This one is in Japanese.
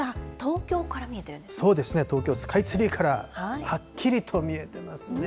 そうですね、東京スカイツリーから、はっきりと見えてますね。